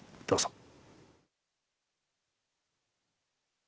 どうぞ。